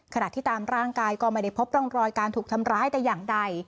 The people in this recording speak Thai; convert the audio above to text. ขณะที่ตามร่างกายก็ไม่ได้พบร่องรอยการถูกทำร้ายแต่อย่างใด